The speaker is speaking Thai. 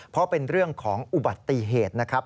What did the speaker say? เพราะเป็นเรื่องของอุบัติเหตุนะครับ